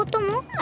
あ。